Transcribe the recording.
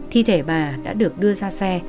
thi thể bà đã được đưa ra xe